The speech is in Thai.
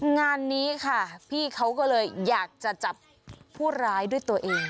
งานนี้ค่ะพี่เขาก็เลยอยากจะจับผู้ร้ายด้วยตัวเอง